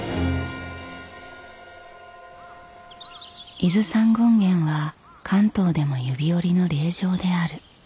伊豆山権現は関東でも指折りの霊場である。